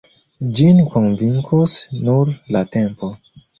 Ĝin konvinkos nur la tempo.